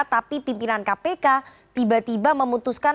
tapi pimpinan kpk tiba tiba memutuskan